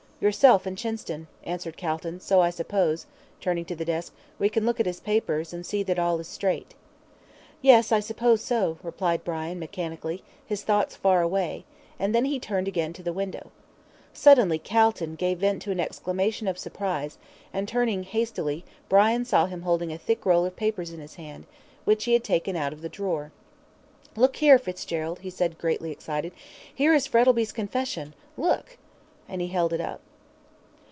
"Yourself and Chinston," answered Calton; "so I suppose," turning to the desk, "we can look at his papers, and see that all is straight." "Yes, I suppose so," replied Brian, mechanically, his thoughts far away, and then he turned again to the window. Suddenly Calton gave vent to an exclamation of surprise, and, turning hastily, Brian saw him holding a thick roll of papers in his hand, which he had taken out of the drawer. "Look here, Fitzgerald," he said, greatly excited, "here is Frettlby's confession look!" and he held it up.